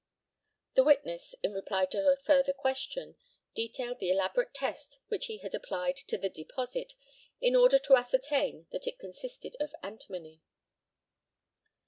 [The witness, in reply to a further question, detailed the elaborate test which he had applied to the deposit, in order to ascertain that it consisted of antimony.